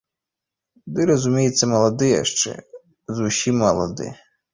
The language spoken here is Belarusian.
Ды, разумеецца, малады, яшчэ зусім малады!